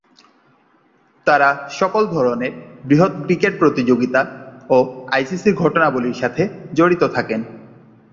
তারা সকল ধরনের বৃহৎ ক্রিকেট প্রতিযোগিতা ও আইসিসি'র ঘটনাবলীর সাথে জড়িত থাকেন।